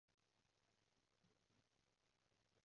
冇搭過高鐵